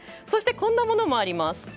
そして、こんなものもあります。